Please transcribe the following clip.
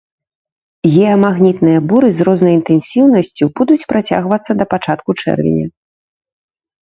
Геамагнітныя буры з рознай інтэнсіўнасцю будуць працягвацца да пачатку чэрвеня.